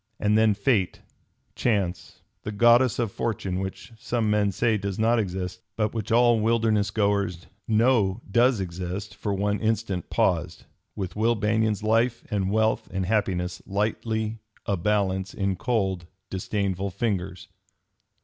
And then fate, chance, the goddess of fortune which some men say does not exist, but which all wilderness goers know does exist, for one instant paused, with Will Banion's life and wealth and happiness lightly a balance in cold, disdainful fingers.